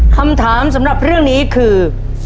คำถามสำหรับเรื่องนี้คือ